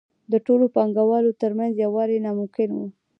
د ټولو پانګوالو ترمنځ یووالی ناممکن وو